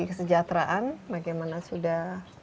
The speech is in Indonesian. kesejahteraan bagaimana sudah